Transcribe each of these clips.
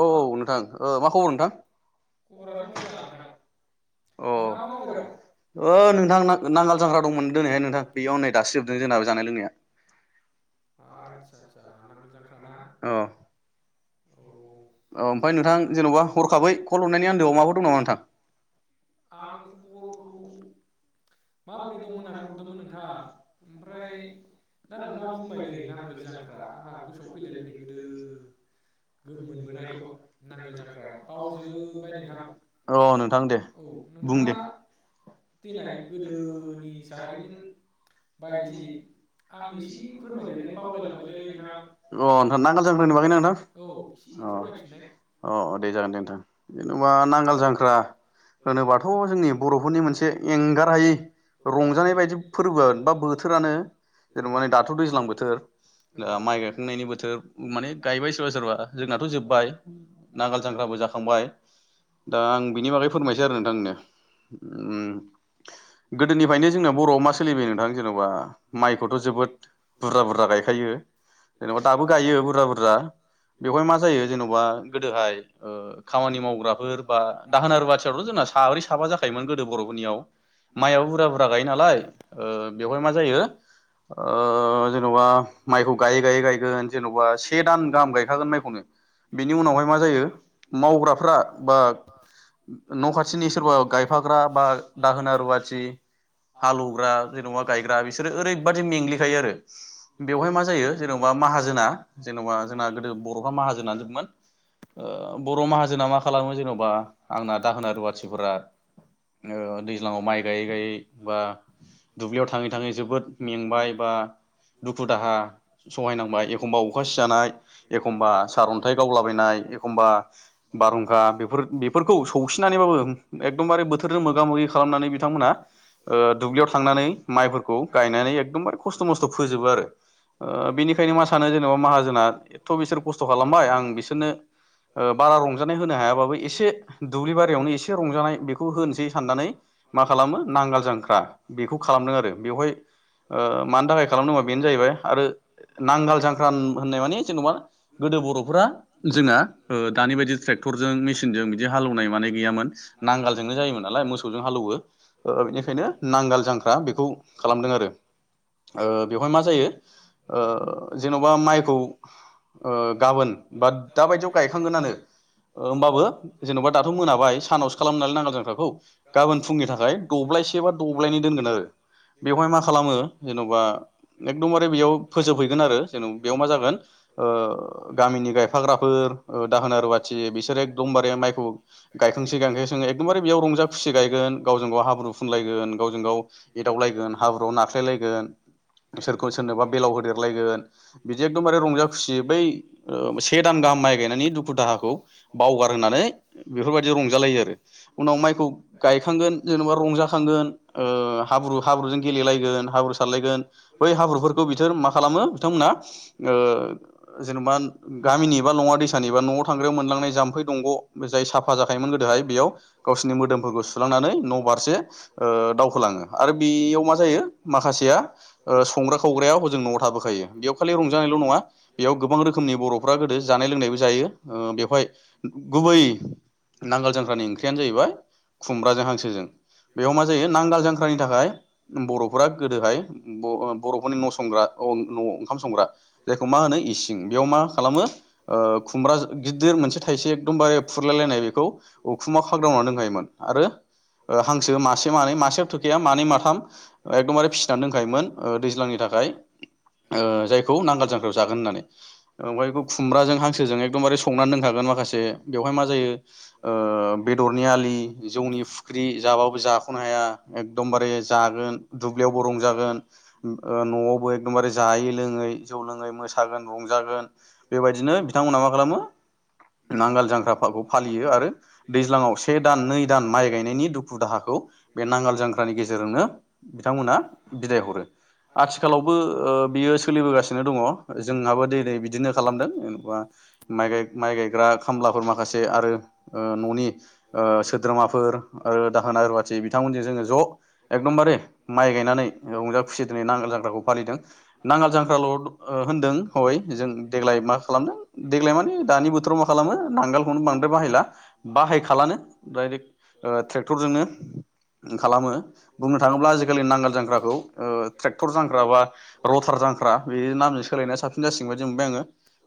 औ नोंथां ओ मा खबर नोंथां? अ' ओ नोंथां नां-नांगाल जांग्रा दंमोन दिनैहाय नोंथां। बेयाव हनै दासोजोबदों जोंना जानाय लोंनाया। आदसा आदसा नांगोल जांख्राना? औ ओमफाय नोंथां जेन'बा हरखाबै कल हरनायनि आन्दोआव माबाफोर दं नामा नोंथां? माबै दं होननानै हरदोंमोन नोंथां ओमफ्राय दा नोंथां औ नोंथां दे बुं दे। दोनि जारिमिन बायदि आंनो एसे अ' नोंथां नांगाल जांख्रानि बागैना नोंथां अ अ अ दे जागोन दे नोंथां। जेनेबा नांगाल जांख्रा होनोबाथ' जोंनि बर'फोरनि मोनसे एंगार हाय रंजानाय बायदि फोरबोआ बा बोथोरानो जेनेबा नै दाथ' दैज्लां बोथोर आ माइ गायखांनायनि बोथोर माने गायबाय सोरबा सोरबा जोंनाथ' जोबबाय नांगाल जांग्राबो जाखांबाय। दा आं बिनि बागै फोरमायसै आरो नोंथांनो उम गोदोनिफ्रायनो जोंना बर'आव मा सोलिबाय नोंथां जेन'बा माइखौथ' जोबोद बुरजा बुरजा गायखायो जेन'बा दाबो गायो बुरजा बुरजा बेवहाय मा जायो जेन'बा गोदोहाय ओ खामानि मावग्राफोर बा दाहोनार बाथियाथ' जोंना साब्रै साबा जाखायोमोन गोदो बर'फोरनियाव माइयाबो बुरजा बुरजा गायो नालाय बेवहाय मा जायो ओ जेन'बा माइखौ गायै गायै गायगोन जेन'बा से दान गाहाम गायखागोन माइखौनो बेनि उनावहाय मा जायो मावग्राफ्रा बा न' खाथिनि सोरबा गायफाग्रा बा दाहोना रुवाथि हालौवग्रा जेनेबा गायग्रा बिसोरो ओरैबादि मेंग्लिखायो आरो। बेवहाय मा जायो जेनेबा माहाजोना जेनेबा जोंना गोदो बर'फ्रा माहाजोनानोमोन बर' माहाजोना मा खालामो जेनेबा आंना दाहोना रुवाथिफोरा ओ ज्लाङाव माइ गायै गायै बा दुब्लियाव थाङै थाङै जोबोद मेंबाय बा दुखु दाहा सहायनांबाय एखमबा अखा सि जानाय एखमबा सारन्थाइ गावलाबायनाय एखमबा बारहुंखा बेफोर बेफोरखौ सौसिनानैबाबो एखदमबारे बोथोरजों मोगा मोगि बिथांमोना दुब्लियाव ओ थांनानै माइफोरखौ गायनानै एकदमबार खस्थ' मस्थ' फोजोबो आरो ओ बेनिखायनो मा सानो जेनेबा माहाजोनना एथ' बिसोर खस्थ' खालामबाय आं बिसोरनो बारा रंजानाय होनो हायाबाबो एसे दुब्लि बारियावनो एसे रंजानाय बेखौ होनोसै साननानै मा खालामो नांगाल जांख्रा बेखौ खालामदों आरो बेवहाय ओ मानि थाखाय खालामदोंबा बेनो जाहैबाय। आरो नांगाल जांख्रा होन होननाय माने जेनेबा गोदो बर'फोरा जोंना दानि बायदि ट्रेक्टरजों मेसिनजों बिदि हालेवनाय माने गैयामोन नांगालजोंनो जायोमोन नालाय मोसौ हालौवो ओ बेनिखायनो नांगाल जांख्रा बेखौ खालामदों आरो। ओ बेवहाय मा जायो ओ जेन'बा माइखौ ओ गाबोन बा दा बायदियाव गायखांगोनानो ओ ओमबाबो जेन'बा दाथ' मोनाबाय सानावसो खालामो नालाय नांगाल जांख्राखौ गाबोन फुंनि थाखाय दंब्लायसे बा दंब्लायनै दोनगोन आरो। बेवहाय मा खालामो जेनावबा एकदमबारे बेयाव फोजोब हैगोन जेन बेव माजागोन ओ गामिनि गायफापग्राफोर ओ दाहोना रुवाथि बेसोरो एकदमबारे माइखौ गायखांसै गायखांसैआव एकदमबारे बेयाव रंजा खुसि गायगोन। गावजों गाव हाब्रु फुनलायगोन गावजों गाव एदावलायगोन हाब्रुआव नाख्लायलायगोन सोरखौ सोरनोबा बेलाव होदेरलायगोन बिदि एखदमबारे रंजा खुसि बै से दान गाहाम माइ गायनायनि दुखु दाहाखौ बावगार होनानै बेफोरबायदि रंजालायो आरो उनाव माइखौ गायखांगोन जेनेबा रंजाखांगोन ओ हाब्रु हाब्रुजों गेलेलायगोन हाब्रु सारलायगोन बै हाब्रुफोरखौ बिसोरो मा खालामो बिथांमोना ओ जेनेबा गामिनि बा नङा दैसानि एबा न'आव थांग्रायाव मोनलांनाय जाम्फै दंग' बे जाय साफा जाखायोमोन गोदोहाय बेयाव गावसिनि मोदोम सुलांनानै न' बारसे ओ दावखोलाङो आरो बेयाव मा जायो माखासेया संग्रा खावग्राया हजों न'आव थाबोखायो बेयाव खालि रंजानायल' नङा बेयाव गोबां रोखोमनि बर'फ्रा गोदो जानाय लोंनायबो जायो ओ बेवहाय गुबै नांगाल जख्रानि ओंख्रियानो जाहैबाय खुमब्राजों हांसोजों बेयाव मा जायो नांगाल जांख्रानि थाखाय बर'फोरा गोदोहाय बर'फोरनि न' संग्रा न' ओंखाम संग्रा जायखौ मा होनो इसिं बेयाव मा खालामो खुमब्रा गिदिर मोनसे थाइसे एकदमबारे फुरलायलायनाय बेखौ उखुमाव खाग्रावनानै दोनखायोमोन। आरो ओ हांसो मासे मानै मासेयाव थोखैया मानै माथाम एखदमबारे फिसिनानै दोनखायोमोन ओ दैज्लांनि थाखाय जायखौ नांगाल जांख्रायाव जागोन होननानै ओमफ्राय बेखौ खुमब्राजों हांसोजों एकखदमबारे संनानै दोनखागोन माखासे बेवहाय मा जायो ओ बेदरनि आलि जौनि फुख्रि जाबाबो जाख'नो हाया एकदमबारे जागोन दुब्लियावबो रंजागोन ओ न'आवबो एकदमबारे जायै लोङै जौ लोङै मोसागोन रंजागोन बेबायदिनो बिथांमोनहा मा खालामो नांगाल जांख्राफाखौ फालियो आरो दैज्लाङाव से दान नै दान माइ गायनायनि दुखु दाहाखौ बे नांगाल जांख्रानि गेजेरजोंनो बिथांमोनहा बिदाय हरो। आथिखालावबो ओ बेयो सोलिबोगासिनो दङ आरो जोंहाबो दिनै बिदिनो खालामदों माइगाय माइ नेग्रा खामलाफोर माखासे आरो ओ ननि ओ सो माफोर आरो दाहोना रुवाथि बिथांमोनजों जोङो ज' एखदमबारे माइ गायनानै रंजाखुसि दिनै नांगाल जांख्राखौ फालिदों नांगाल जांख्राल द ओ होनदों हय जों देग्लाय मा खालामनो देग्लाय माने दानि बोथोराव खालामो नांगालखौनो बांद्राय बाहायला बाहाय खालामानो डाइरेक्ट ओ ट्रेक्टरजोंनो खालामो बुंनो थाङोब्ला आजिखालि नांगोल जांख्राखौ ओ ट्रेक्टर जांख्रा बा रटार जांख्रा बे नामजों सोलायनाया साबसिन जासिगोनबायदि मोनबाय आङो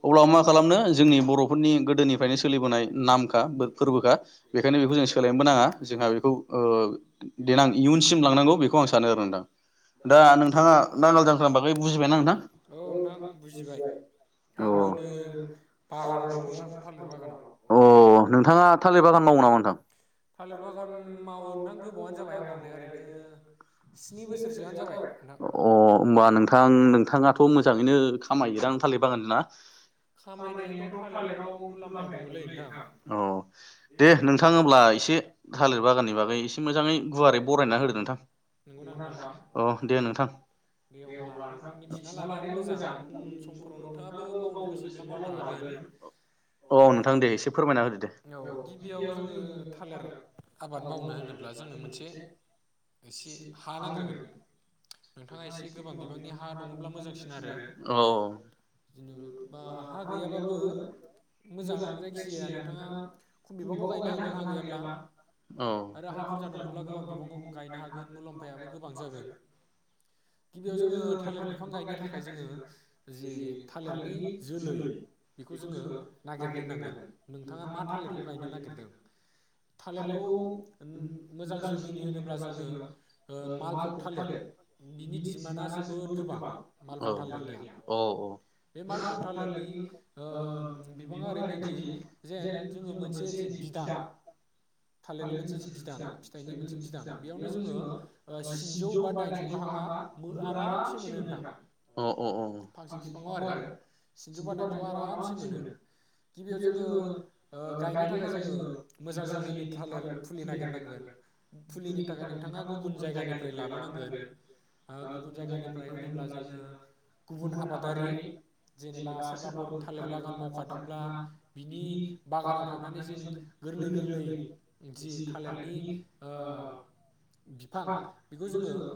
अब्ला मा खालामनो जोंनि बर' फोरनि गोदोनिफ्रायनो सोलिबोनाय नामखा फोरबोखा बेखायनो बेखौ जों सोलायनोबो नाङा जोंहा बेखौ ओ देनां इयुनसिम लांनांगौ बेखौ आं सानो आरो नोंथां दा नोंथाङा नांगाल जांख्रा होनबाथाय बुजिबायना नोंथांब औ नोंथां बुजिबाय औ नङा नोंथां थालिर बागानाव आं नोंथाङा थालिरबागान थालिर बागान मावो नोंथां गोबावनो जाबाय आं मावनाया ओरैनो स्नि बोसोर सोआनो जाबाय अ होनोमबा नोंथां नोंथाङाथ' मोजाङैनो खामायोदां थालिर बागानजों ना? खामायनायाथ थालिराव मुलाम्फाया दङलै नोंथां औ दे नोंथां हब्ला एसे थालिर बागाननि बागै एसे मोजाङै गुवारै बरायना होदो नोंथां। नंगौ ना नोंथां अ दे नोंथां दे अब्ला नोंथां मिथिना लानायाबो मोजां उन समफोराव नोंथाङाबो मावनो गोसोबा मावनो हागोन। औ गिबियाव जोङो थालिर आबाद मावनो होनोब्ला जोंनो मोनसे एसे एसे हा नांग्रोगोन नोंथाङा एसे गोबां बिबांनि हा दङब्ला मोजांसिन आरो औ जनोबा हा गैयाबाबो मोजां जायखि जाया नोंथाङा खम बिबाङाव गायनो हागोन हा गैयाब्ला औ आरो हा बुरजा दङब्ला गोबां बिबाङाव गायनो हागोन। मुलाम्फायाबो गोबां जागोन गिबियाव जोङो थालिर बिफां गायनो थाखाय जोङो जि थालिरनि जोलै खौ जोङो नागिरेग्रोनांगोन नोंथाङा मा थालिरखौ गायनो नागिरदों थालिरखौ मोजां जोलैनि होनोब्ला जोङो ओ मालबग थालिर बिनि दिमाना जोबोद गोबां औ औ औ बे मालबग थालिरनि ओम बिबाङा ओरैबायदि जेन जोङो मोनसे जि बिदां थालिरनि मोनसे जि बिदां फिथाइनि मोनसे बिदां बेयावनो जोङो स्निजौ बा दाइनजौ गाहामा बुहुत आरामसे मोनो नोंथां औ औ औ फांसे बिफाङावआरो स्निजौ बा दाइनजौ आरामसे मोन गिबियाव जोङो ओ गायनो थाखाय जोङो मोजां जोलैनि थालिर फुलि नागिरनांगोन फुलिनि थाखाय नोंथाङा गुबुन गुबुन जायगानिफ्राय लाबोनांगोन ओ गुबुन जायगानिफ्राय होनोब्ला जोङो गुबुन आबादारि जेनेबा सोरबाफोर थालिर बागान मावखादोंब्ला बिनि बागानाव थांनानै जों गोरलै गोरलै जि थालिरनि ओ फिफां बेखौ जोङो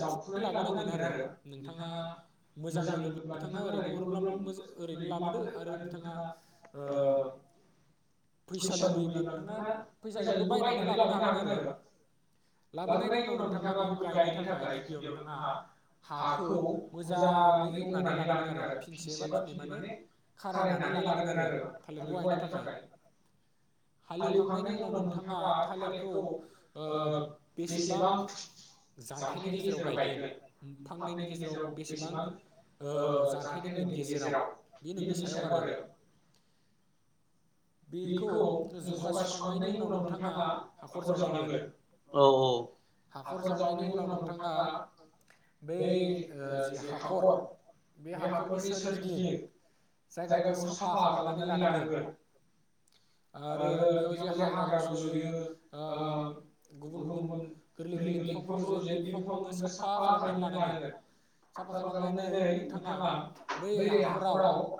जावखुनानै लाबोनांगोन आरो नोंथाङा मोजां लोगोला नोंथाङा ओरैनो हरोब्लाबो ओरैनो लाबोदो आरो नोंथाङा अ फैसा लुबैयोब्ला नोंथाङा फैसाजोंखौ बायनानै लाबोनो हागोन आरो। लाबोनायनि उनाव नोंथाङा बेखौ गायनो थाखाय गिबियाव नोंथाङा हाखौ मोजाङै एवनानै लानांगोन आरो फिनसे बा माने खालायनानै लानांगोन आरो थालिरखौ गायनो थाखाय हालेवखांनायनि उनाव नोंथाङा थालिरखौ अ बेसेबां जानथायनि गेजेराव गायगोन फांनैनि गेजेराव बेसेबां अ जान्थाय दोनगोन गेजेराव बे नोंनि सायाव आरो बेखौ जखा सुखांनायनि उनाव नोंथाङा हाखर जावनांगोन औ औ हाखर जावनायनि उनाव नोंथाङा बै अ जि हाखर बे हाखरनि सोरगिदिं जायगाखौ साफा खालामनानै लानांगोन आरो बेयाव जे हाग्रा रज'यो अ गुबुन- गुबुन गोरलै- गोरलै बिफांखौ रज'यो बे बिफांखौ नोङो साफा खालामनानै लानांगोन साफा खालामनानै नोंथाङा बै हा खराव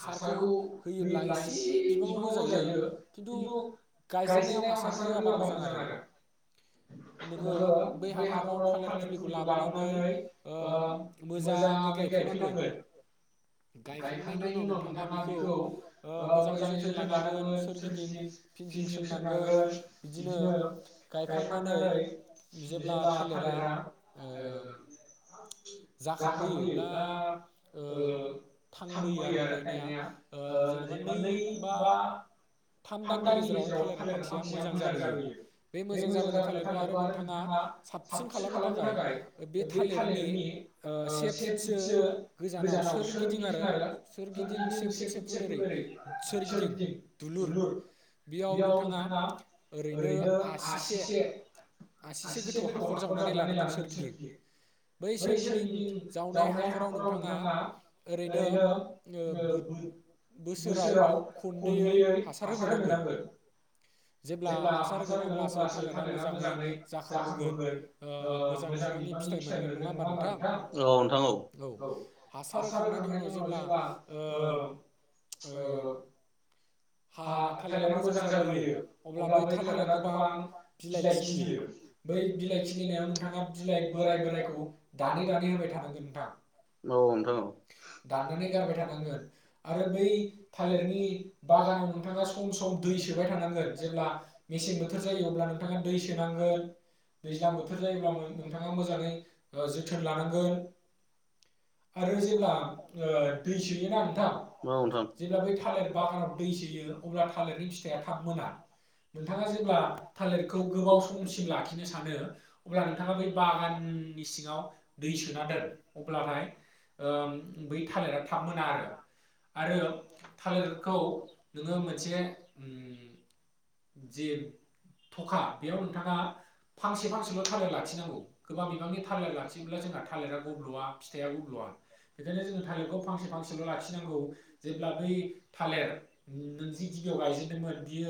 हासारखौ होयोब्ला एसे बिबाङाव होजायो खिन्थु गायजेननायाव हासार होआबा मोजां आरो नोङो बै हाखराव थालिर फुलिखौ लाबोनानै अ मोजाङै गायफैनांगोन गायखांनायनि उनाव नोंथाङा बेखौ ओ मोजाङै जोथोन लानांगोन सोरगिदिं फिनसिं सोनांगोन बिदिनो गायखांनानै जेब्ला थालिरा अ जाखांबोयोब्ला अ थांबोयो आरो गायनाया अ जेनेबा नै बा थाम दाननि गेजेराव थालिर फांसेया मोजां जाबोयो बे मोजां जाबोनाय थालिरखौ आरो नोंथाङा साबसिन खालामनो थाखाय बे थालिरनि अ से फुटसो गोजानाव सोरगिदिं आरो सोरगिदिं से फुट- से फुट ओरै सोरगिदिं दुलुर बेयाव नोंथाङा ओरैनो आसिसे-आसिसे गोथौ हाखर जावनानै लानांगोन सोरगिदिं बै सोरगिदिं जावनाय हाखराव नोंथाङा ओरैनो ओ बो-बोसोराव खननैयै हासार होनो नांगोन जेब्ला हासार होगोन अब्लासो थालिरा मोजाङै जाखांबोगोन अ मोजां बिबांनि फिथाइ मोनगोन नङा होमबा नोंथां औ हासार होखांनायनि उनाव जेब्ला अ अ हा थालिरा मोजां जाबोयो अब्ला बै थालिरा गोबां बिलाइ खिलियो बै बिलाइ खिलिनायाव नोंथाङा बिलाइ बोराय बोराइखौ दानै-दानै होबाय थानांगोन नोंथां दाननानै गारबाय थानांगोन आरो बै थालिरनि बागानाव नोंथाङा सम-सम दै सोबाय थानांगोन जेब्ला मेसें बोथोर जायो अब्ला नोंथाङा दै सोनांगोन दैज्लां बोथोर जायोब्ला मै नोंथाङा मोजाङै अ जोथोन लानांगोन आरो जेब्ला अ दै सोयोना नोंथां अ नोंथां जेब्ला बै थालिर बागानाव दै सोयो अब्ला थालिरनि फिथाइया थाब मोना नोंथाङा जेब्ला थालिरखौ गोबाव समसिम लाखिनो सानो अब्ला नोंथाङा बै बागाननि सिङाव दै सोना दोन अब्लाथाय ओम बै थालिरा थाब मोना आरो-आरो थालिरखौ नोङो मोनसे उम जे थखा बेयाव नोंथाङा फांसे-फांसेल' थालिर लाखिनांगौ गोबां बिबांनि थालिर लाखियोब्ला जोंहा थालिरा गब्ल'वा फिथाइया गब्ल'आ बेखायनो जोङो थालिरखौ फांसे-फांसेल' लाखिनांगौ जेब्ला बै थालेर नों जि गिबियाव गायजेदोंमोन बियो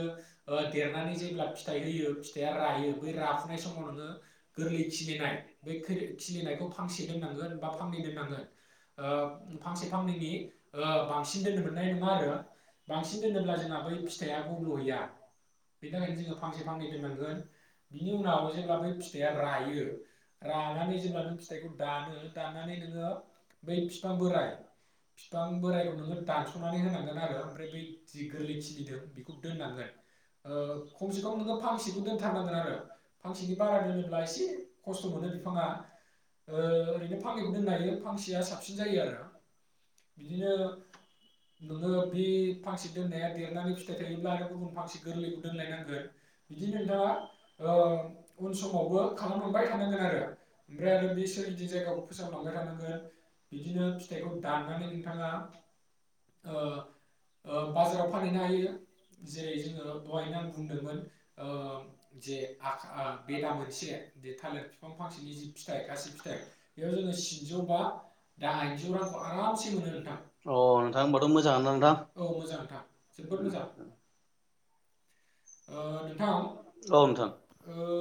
देरनानै जेब्ला फिथाइ होयो फिथाइया रायो बै राफुनाय समाव नोङो गोरलै खिलिनाय बे खिलिनायखौ फांसे दोननांगोन बा फांनै दोननांगोन ओ फांसे फांनैनि ओ बांसिन दोननो मोननाय नङा आरो बांसिन दोनोब्ला जोंना बै फिथाइआ गल्ब'हैया बेनि थाखायनो जोङो फांसे फांनै दोननांगोन बिनि उनाव जेब्ला बै फिथाइया रायो रानानै जेब्ला बे फिथाइखौ दानो दानानै जोङो बै बिफां बोराइ बिफां बोरायखौ नोङो दानस'नानै होनांगोन आरो ओमफ्राय बै जि गोरलै खिलिदों बेखौ दोननांगोन ओ खमसे खम नोङो फांसेखौ दोनथारनांगोन आरो फांसेनि बारा दोनोब्ला एसे खस्थ' मोनो बिफाङा ओरैनो फांनैखौ दोननो हायो फांसेया साबसिन जायो आरो बिदिनो नोङो बे फांसे दोननाया देरनानै फिथाइ थायोब्ला आरो गुबुन फांसे गोरलैखौ दोनलायनांगोन बिदि नोंथाङा ओ उन समावबो खालामलांबाय थानांगोन आरो ओमफ्राय आरो बे सोरगिदिं जायगाखौ फोसाबलांबाय थानांगोन बिदिनो फिथाइखौ दाननानै नोंथाङा ओ ओ बाजाराव फानहैनो हायो जेरै जोङो दहायनो आं बुंदोंमोन ओ जे बेदा मोनसे ज थालिर बिफां फांसेनि जि फिथाइ गासै फिथाइ बेयाव जोङो स्निजौ बा दाइनजौ रांखौ आरामसे मोनो नोंथां आं बाथ मोजां नोंथां औ मोजां नोंथां जोबोर मोजां ओ नोंथां औ नोंथां ओ